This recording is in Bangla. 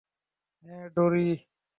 হ্যাঁ, ডোরি?